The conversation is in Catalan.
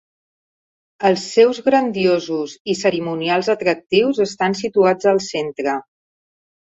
Els seus grandiosos i cerimonials atractius estan situats al centre.